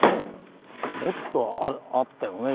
もっとあったよね